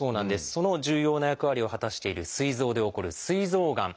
その重要な役割を果たしているすい臓で起こるすい臓がん。